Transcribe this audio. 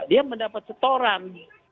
dia mendapat setoran